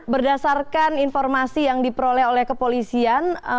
berdasarkan informasi yang diperoleh oleh kepolisian